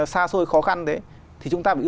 xa xôi khó khăn thế thì chúng ta phải